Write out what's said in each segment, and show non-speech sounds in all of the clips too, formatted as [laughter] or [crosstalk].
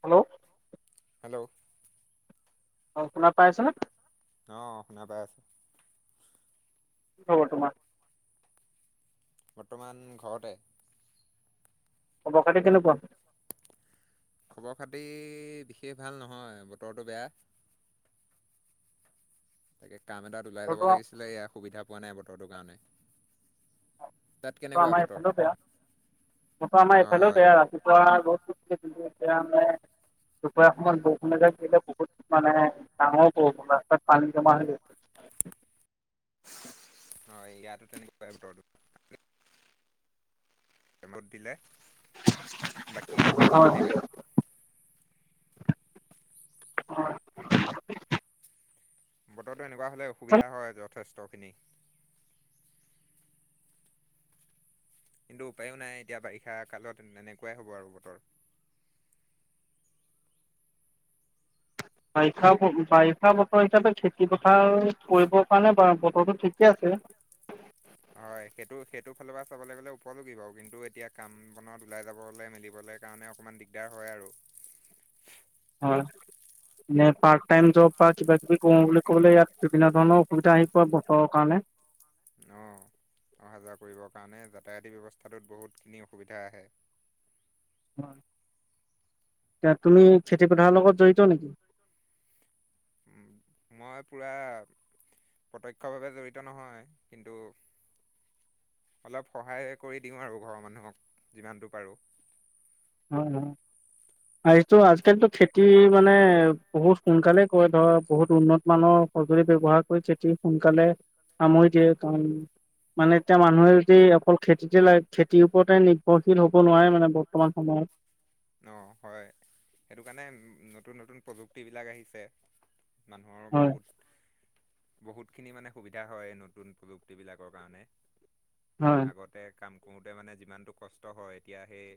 Hello? Hello? অ' শুনা পাই আছানে? অ', শুনা পাই আছো। হ তোমাৰ বৰ্তমান ঘৰতে খবৰ খাটি কেনেকুৱা? খবৰ খাতি বিশেষ ভাল নহয় বতৰটো বেয়া। তাকে কাম এটাত ওলাই যাব বতৰটো লাগিছিলে এয়া সুবিধা পোৱা নাই বতৰটোৰ কাৰণে। তাত পোৱা কেনেকুৱা আমাৰ বতৰ এইফালেও বেয়া, বতৰ আমাৰ হয় এইফালেও হয় বেয়া, ৰাতিপুৱা ৰদ যোৰকে দিছে। [unintelligible] দুপৰীয়া সময়ত বৰষুন এজাক দিলে বহুত মানে ডাঙৰ বৰষুন ৰাস্তাত পানী জমা হৈ গৈছে। [unintelligible] হয় ইয়টো তেনেকে প্ৰায় বতৰ তো ৰদ দিলে বা, কী বতৰটো এনেকাই। অ [unintelligible] বতৰো এনেকুৱা হলে অসুবিধা হয় যথেষ্ট খিনি। কিন্তু উপায়ো নাই এতিয়া বাৰিষা কালত এনেকুৱাই হ'ব আৰু বতৰ। [unintelligible] বাৰিষা- বাৰিষা বতৰ এতিয়াতো খেতি পথাৰ কৰিবৰ কাৰণে বা ব ঠিকে আছে হয় সেইটো সেইটো ফালৰ পৰা চাবলৈ গ'লে উপযোগী বাৰু কিন্তু এতিয়া কাম বনত ওলাই যাবলৈ মেলিবলৈ কাৰণে অ অকণমান দিগদাৰ হয় আৰু। হয় এ পাৰ্ট টাইম জব বা কিবা কিবি কৰো বুলি ক'বলে ইয়াত বিভিন্ন ধৰণৰ অসুবিধা আহি পৰে বতৰত কাৰণে [unintelligible] অহ। অহা যোৱা কৰিবৰ কাৰণে যাতায়তি ব্যৱস্থাটোত বহুতখিনি অসুবিধা আহে। অ এতিয়া তুমি খেতি পথাৰৰ লগত জড়িত নেকি? মই পুৰা প্ৰত্যক্ষভাৱে জড়িত নহয় কিন্তু অলপ সহায় কৰি দিওঁ আৰু ঘৰৰ মানুহক যিমানটো পাৰোঁ। হয় অ এইটো আজিকালিতো খেতি মানে বহুত সোনকালে কয় ধৰ বহুত উন্নত মানৰ সঁজুলি ব্যৱহাৰ কৰি খেতি সোনকালে সামৰি দিয়ে কাৰণ মানে এতিয়া মানুহে যদি অকল খেতিতে ল খেতিৰ ওপৰতে নিৰ্ভৰশীল হ'ব নোৱাৰে মানে বৰ্তমান সময়ত অ হয় সেইটো কাৰণে নতুন নতুন প্ৰযুক্তি বিলাক আহিছে। মানুহৰ হয় বহুত বহুত খিনি মানে সুবিধা হয় নতুন প্ৰযুক্তি বিলাকৰ কাৰণে, হয়। আগতে কাম কৰোঁতে মানে যিমানটো কষ্ট হয় এতিয়া সেই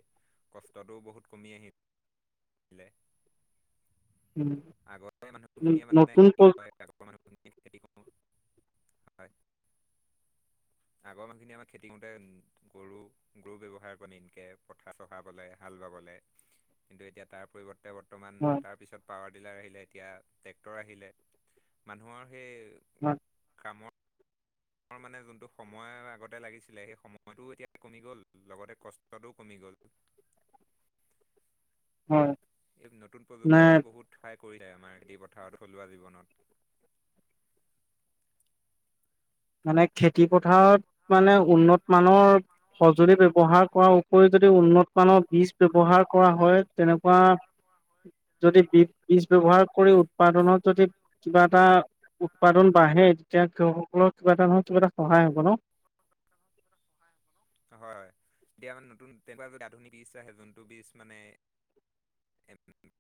কষ্টটো বহুত কমি আহি দিলে উম, আগতে মানুহ খিনিয়ে মানে নতুন কি ক প্ৰজ আগৰ মানুহ হয় [unintelligible] আগৰ মানুখিনি আমাৰ খেতি কৰোতে গৰু গৰু ব্যৱহাৰ কৰে পথাৰ চহাবলে হাল বাব [unintelligible] কিন্তু এতিয়া তাৰ পৰিৱৰ্তন বৰ্তমান হয় তাৰ পিছত পাৱাৰ টিলাৰ আহিলে এতিয়া ট্ৰেক্টৰ আহিলে মানুহৰ সেই হয় কামৰ ৰ মানে যোনটো সময় আগতে লাগিছিলে সেই সময়টো এতিয়া কমি গ'ল লগতে কষ্টটোও কমি গ'ল গল। [unintelligible] হয়। এই নতুন প্ৰযুক্তি নিয়ে মানে বহুত ঠাই কৰিলে আমাৰ খেটি পথাৰত থলুৱা জীৱনত। মানে খেতি পথাৰত মানে উন্নত মানৰ সঁজুলি ব্যৱহাৰ কৰাৰ উপয়োজন যদি উন্নত মানৰ বীজ ব্যৱহাৰ কৰা হয় তেনেকুৱা যদি বজ বীজ ব্যৱহাৰ কৰি উৎপাদনত যদি কিবা এটা উৎপাদন বাঢ়ে তেতিয়া কৃষকসকলৰ। কিবা এটা নহয় কিবা এটা সহায় হ'ব ন। হয়, হয়। তেতিয়া মানে নতুন তেনেকুৱা যদি আধুনিক বীজ আহে যোনটো বীজ মানে [unintelligible]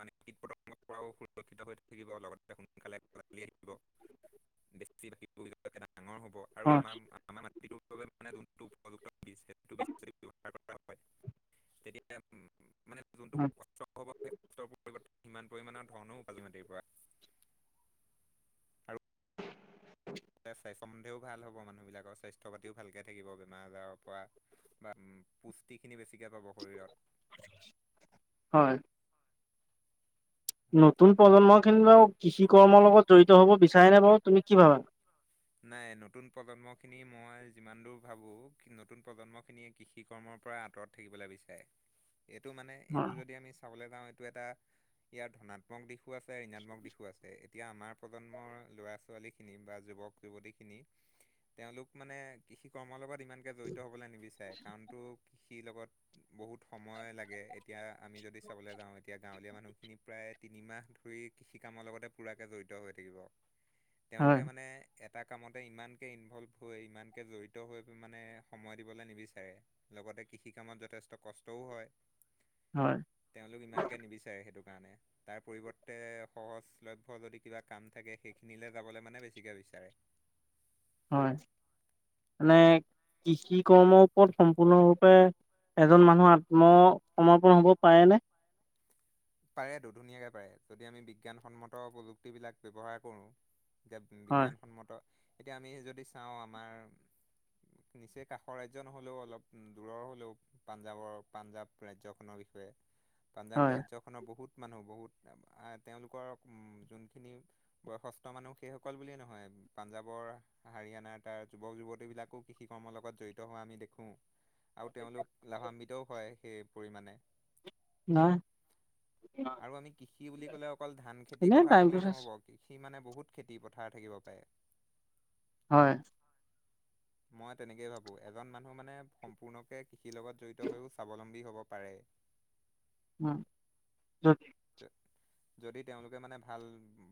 মানে কীট প্ৰদৰ্শ পৰাও সুৰক্ষিত হৈ থাকিব লগতে সোনকালে আহিব। [unintelligible] ডাঙৰ হ'ব আৰু হয় আমাৰ আমাৰ মাটিটোৰ বাবে মানে যোনটো উপযুক্ত যু সেইটো হাৰ তেতিয়া মানে যোনটো উম। কষ্ট হ'ব সেই কষ্টৰ পৰিৱৰ্তে সিমান পৰিমাণৰ ধনো কাজমাটিৰ পৰা। আৰু স্বাস্থ্য সম্বন্ধেও ভাল হ'ব। মানুহবিলাকৰ স্বাস্থ্য পাতিও ভালকে থাকিব বেমাৰ আজাৰৰ পৰা। বা উ পুষ্টি খিনি বেছিকে পাব শৰীৰত। হয় নতুন প্ৰজন্ম খিনি বাৰু কৃষি কৰ্মৰ লগত জড়িত হ'ব বিচাৰে নাই বাৰু তুমি কি ভাবা? নাই নতুন প্ৰজন্ম খিনি মই যিমান দূৰ ভাবো নতুন প্ৰজন্ম খিনিয়ে কৃষি কৰ্মৰ পৰা আঁতৰত থাকিবলৈ বিচাৰে। এইটো মানে হয় এইটো যদি আমি চাবলৈ যাওঁ এইটো এটা ইয়াৰ ধনাত্মক দিশো আছে, ঋণাত্মক দিশো আছে। এতিয়া আমাৰ প্ৰজন্মৰ ল'ৰা-ছোৱালী খিনি বা যুৱক যুৱতী খিনি তেওঁলোক মানে কৃষি কৰ্মৰ লগত ইমানকে জড়িত হবলৈ নিবিচাৰে। কাৰণতো কৃষিৰ লগত বহুত সময় লাগে। এতিয়া আমি যদি চাবলৈ যাওঁ এতিয়া গাঁৱলীয়া মানুহ মানুহখিনি প্ৰায় তিনিমাহ ধৰি কৃষি-কামৰ লগতে পুৰাকৰাকে জৰিত হৈ থাকিব। হয় তেওঁলোকে মানে এটা কামতে ইমানকে ইনভল্ভ হৈ ইমানকে জড়িত হৈ মানে সময় দিবলৈ নিবিচাৰে লগত। কৃষি কামত যথেষ্ট কষ্টও হয়। হয় তেওঁলোক ইমানকে নিবিচাৰে সেইটো। কাৰণে [inaudible] তাৰ পৰিৱৰ্তে সহজলভ্য যদি কিবা কাম থাকে সেইখিনিলে যাবলৈ মানে বেছিকে বিচাৰে। হয়, মানে কৃষি কৰ্মৰ ওপৰত সম্পূৰ্ণৰূপে এজন মানুহ আত্মসমৰ্পন হব পাৰেনে? পাৰেতো, ধুনীয়াকে পাৰে। যদি আমি বিজ্ঞানসন্মত প্ৰযুক্তিবিলাক ব্যৱহাৰ কৰোঁ। এতিয়া হয় বিজ্ঞানসন্মত, এতিয়া আমি যদি চাওঁ আমাৰ নিচেই কাষৰ ৰাজ্য নহলেও অলপ দূৰৰ হলেও পাঞ্জাৱৰ পাঞ্জাৱ ৰাজ্যখনৰ বিষ [inaudible] পাঞ্জাব ৰাজ্য বহুত মানুহ, বহুত। আ তেওঁলোকৰ ও যোনখিনি বয়সস্থ মানুহ সেইসকল বোলে নহয়। পাঞ্জাৱৰ, হাৰিয়ানাৰ তাৰ যুৱক-যুৱতী বিলাকো কৃষি-কৰ্মৰ লগত জড়িত হোৱা আমি দেখো। উ। আৰু তেওঁলোক লাভান্বিতও হয়, সেই পৰিমাণে। নাই। আৰু আমি কৃষি বুলি ক'লে অকল ধান খেতিৰ এনে কথা টাইমটো কলেই চাইছো নহব। কৃষি সি মানে বহুত খেতি-পথাৰ থাকিব পাৰে। হয়। মই তেনেকেই ভাবো এজন মানুহ মানে সম্পূৰ্ণকে কৃষিৰ লগত জড়িত হৈও স্বাৱলম্বী হ'ব। পাৰে উম। যদি তেওঁলোকে মানে ভাল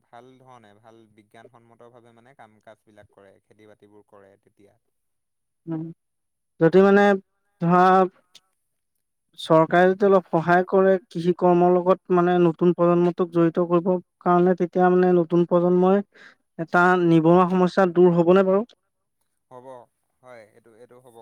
ভাল ধৰণে ভাল বিজ্ঞান সন্মত ভাৱে মানে কাম কাজ বিলাক কৰে। খেতি-বাতিবোৰ কৰে তেতিয়া। যদি মানে ধৰা চৰকাৰে যদি অলপ সহায় কৰে কৃষি কৰ্মৰ লগত মানে নতুন প্ৰজন্মটোক জড়িত কৰিব কাৰণ তেতিয়া মানে নতুন প্ৰজন্মই এটা নিবনুৱা সমস্যা দূৰ হবনে বাৰু? হ'ব। হয়, এইটো- এইটো হ'ব।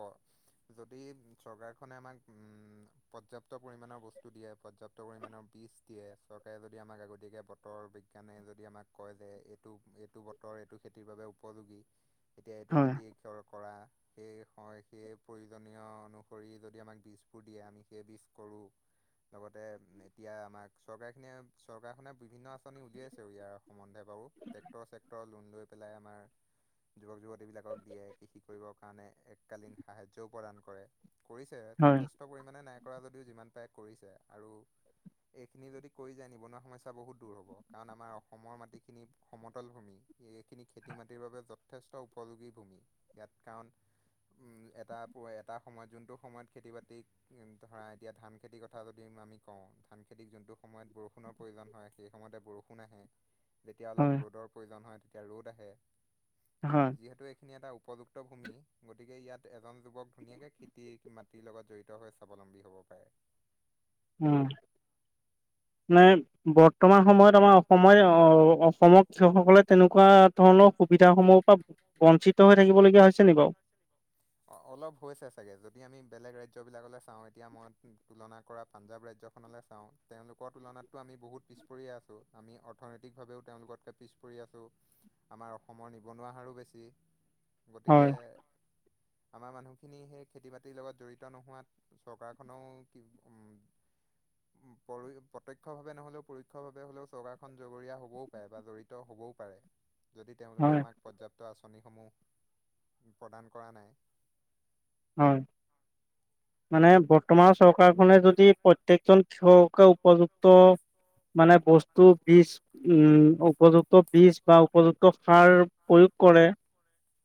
যদি চৰকাৰখনে আমাক উম পৰ্যাপ্ত পৰিমণৰ বস্তু দিয়ে পৰ্যপ্ত পৰিমাণৰ বীজ দিয়ে, চৰকাৰে যদি আমাক আগতীয়াকৈ বতৰ বিজ্ঞানে যদি আমাক কয় যে এইটো এইটো বতৰ এইটো খেতিৰ বাবে উপযোগী। এতিয়া এইটো হয়, খেতি ক কৰা সেই হয়, সেই প্ৰয়োজনীয় অনুসৰি যদি আমাক বীজবোৰ দিয়ে, আমি সেই বীজ কৰোঁ লগতে এতিয়া আমাক চৰকাৰ খিনিয়ে চৰকাৰখনে বিভিন্ন আঁচনি উলিয়াইছে ইয়াৰ সম্বন্ধে বা আৰু টেক্টৰ চেক্টৰ লোন লৈ পেলাই আমাৰ যুৱক-যুৱতীবিলাকক দিয়ে কৃষি কৰিবৰ কাৰণে, এককালীন সাহায্যও প্ৰদান কৰে। কৰিছে। হয়, যথেষ্ট পৰিমণে নাই কৰা যদিও, যিমান পাৰে কৰিছে। আৰু এইখিনি যদি কৰি যায়, নিবনুৱা সমস্যা বহুত দূৰ হব। কাৰণ আমাৰ অসমৰ মাটিখিনি সমতল ভূমি। এইখিনি খেতি মাটিৰ বাবে যথেষ্ট উপযোগী ভূমি। ইয়াত কাৰণ উম, এটা প- এটা সময়ত যোনটো সময়ত খেতি-বাতিক ধৰা, এতিয়া ধান খেতিৰ কথা যদি আমি কওঁ ধান খেতিক যোনটো সময়ত বৰষুণৰ প্ৰয়োজন হয়, সেই সময়তে বৰষুণ আহে। যেতিয়া অলপ হয়। ৰ'দৰ প্ৰয়োজন হয়, তেতিয়া ৰ'দ আহে। হয়, যিহেতু এইখিনি এটা উপযুক [unintelligible] গতিকে ইয়াত এজন যুৱক ধুনীয়াকে খেতিৰ মাটিৰ লগত জড়িত হৈ স্বাৱলম্বী হব পাৰে। উম। নাই, বৰ্তমান সময়ত আমাৰ অসময়- অ'- অসমক কৃষকসকলে তেনেকুৱা ধৰণৰ সুবিধাসমূহৰ পৰা বঞ্চিত হৈ থাকিবলগীয়া হৈছে নি বাৰু? অ- অলপ হৈছে চাগে। যদি আমি বেলেগ ৰাজ্যবিলাকলৈ চাওঁ, এতিয়া মই তুলনা কৰা পাঞ্জাৱ ৰাজ্যখনলৈ চা তেওঁলোকৰ তুলনাতটো আমি বহুত পিছ পৰিয়ে আছোঁ। আমি অৰ্থনৈতিকভাৱেও তেওঁলোকতকে পিছ পৰি আছোঁ। আমাৰ অসমৰ নিবনুৱা হাৰো বেছি। গতিকে হয়, আমাৰ মানুহখিনি সেই খেতি-বাতিৰ লগত জড়িত নোহোৱাত চৰকাৰখনেও কি উম পৰো প্ৰত্যক্ষ ভাৱে নহলেও পৰোক্ষ ভাৱে হলেও চৰকাৰখনন জগৰীয়া হবও পাৰে বা জড়িত হ'ব। [unintelligible] যদি তেওঁলোকে হয়। আমাক পৰ্যাপ্ত আঁচনিসমূহ প্ৰদান কৰা নাই হয়, মানে বৰ্তমানৰ চৰকাৰখনে য যদি প্ৰত্যেকজন কৃষককে উপযুক্ত মানে বস্তু বীজ উম- উপযুক্ত বীজ বা উপযুক্ত সাৰ প্ৰয়োগ কৰে,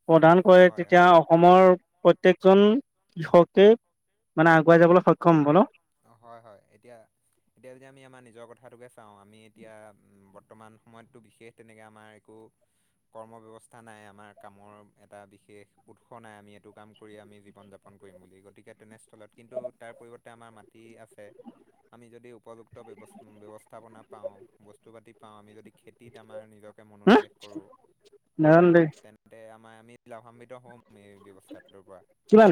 প্ৰধান কৰে হয় তেতিয়া অসমৰ প্ৰত্যেকজন কৃষকে মানে আগুৱাই যাবলৈ সক্ষম হ'ব ন? অ' হয় - হয়, এতিয়া এতিয়া যদি আমি আমাৰ নিজৰ কথাটোকে চাওঁ, আমি এতিয়া উম- বৰ্তমান সময়তটো বিশেষ তেনেকে আমাৰ একো [unintelligible] কৰ্মব্যৱস্থা নাই, আমাৰ কামৰ এটা বিশেষ উৎস নাই, আমি এইটো কাম কৰি আমি জীৱন-যাপন কৰিম বুলি গতিকে তেনেস্থলত কিন্তু তাৰ পৰিৱৰ্তে আমাৰ মাটি আছে। আমি যদি উপযুক্ত ব্যবছ ব্যৱস্থাপনা পাওঁ, বস্তু পাতি পাওঁ। আমি যদি খেতিত আমাৰ নিজক হা মনোনিৱেশ কৰো, নাজানো দেই তেন্তে আমাৰ আমি লাভান্বিত হম। মেৰ ব্যৱস্থাটোৰ পৰা। কিমান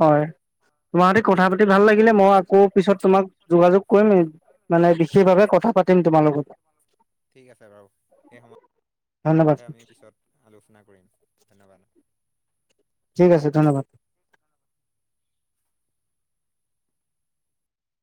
হয়। তোমাৰ সতে কথা পাতি ভাল লাগিলে। মই আকৌ পিছত তোমাক যোগাযোগ কৰিম। মানে বিশেষভাৱে কথা থা পাতিম তোমাৰ লগত। ঠিক আছে বাৰু। সে সম ধন্যবাদ সন্দে আমি পিছত আলোচনা কৰিম, ধন্যবাদ। ঠিক আছে, ধন্যবাদ।